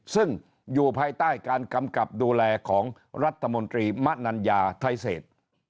ซึ่งอยู่ภายใต้การกำกับดูแลของรัฐมนตรีมะนัญญาไทยเศษ